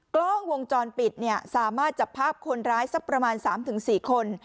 กล้องวงจรปิดสามารถจับภาพคนร้ายสักประมาณ๓๔คน